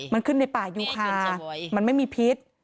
มันขึ้นในป่ายูคามันไม่มีพิษ